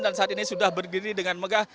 dan saat ini sudah berdiri dengan megah